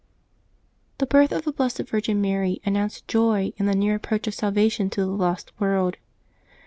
^^HE birth of the Blessed Virgin Mary announced joy V ^ and the near approach of salvation to the lost world.